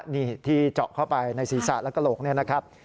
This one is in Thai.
นี่ที่เจาะเข้าไปในศีรษะและกระโหลกนี่นะครับ